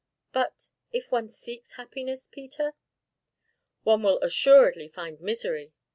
"But if one seeks happiness, Peter?" "One will assuredly find misery!"